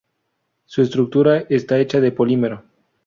Su estructura está hecha de polímero.